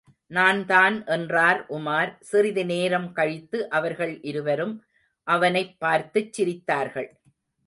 நான்தான் என்றான் உமார், சிறிது நேரம் கழித்து அவர்கள் இருவரும் அவனைப் பார்த்துச் சிரித்தார்கள்.